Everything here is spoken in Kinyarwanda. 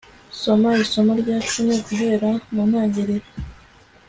soma isomo rya icumi guhera mu ntangiriro